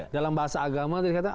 dalam bahasa agama kita katakan